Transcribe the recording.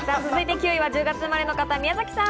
９位は１０月生まれの方、宮崎さん。